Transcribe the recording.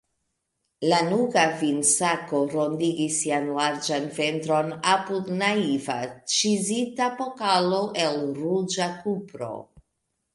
Lanuga vinsako rondigis sian larĝan ventron apud naive ĉizita pokalo el ruĝa kupro.